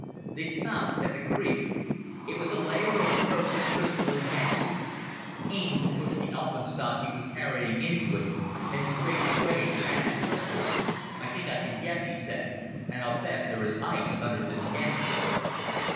They stopped at the creek. It was a layer of frozen crystalline gases. Haines pushed the alpenstock he was carrying into it and scraped away the gas crystals. "I think I can guess," he said, "and I'll bet there is ice under this gas."